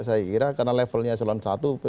saya kira karena levelnya selan satu